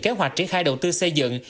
kế hoạch triển khai đầu tư xây dựng